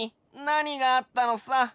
なにがあったのさ？